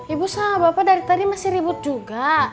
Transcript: ibu sah bapak dari tadi masih ribut juga